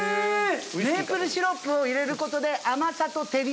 メープルシロップを入れることで・へえ！